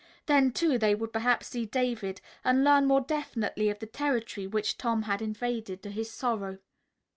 Then, too, they would perhaps see David and learn more definitely of the territory which Tom had invaded to his sorrow.